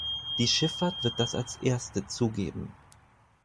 Die Schiffahrt wird das als erste zugeben.